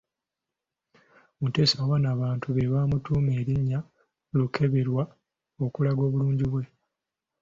Muteesa I abantu be bamutuuma erinnya Lukeberwa okulaga obulungi bwe.